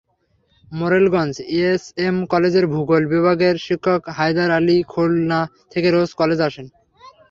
Morelganj SM কলেজের ভূগোল বিভাগের শিক্ষক হায়দার আলী খুলনা থেকে রোজ কলেজে আসেন।